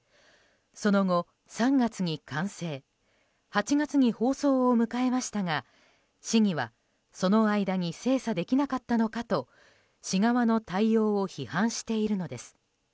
その後、３月に完成８月に放送を迎えましたが市議は、その間に精査できなかったのかと市側の対応を批判しているのです。